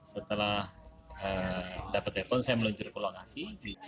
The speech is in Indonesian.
setelah dapat telepon saya meluncurkan lokasi